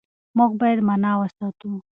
موږ بايد مانا وساتو.